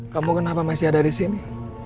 kamu kenapa masih ada disini